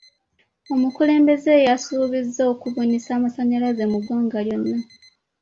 Omukulembeze yasuubiza okubunisa amasannyalaze mu ggwanga lyonna.